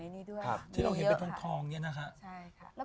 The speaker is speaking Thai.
ที่เราเห็นเป็นทองอย่างนี้นะครับ